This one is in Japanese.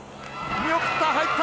見送った、入った！